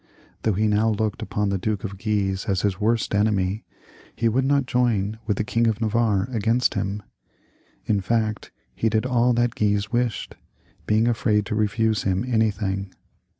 Though he now looked upon the Duke of Guise as his worst enemy, he would not join with the King of Navarre against him ; in fact, he did all that Guise wished, being afraid to refuse him anything.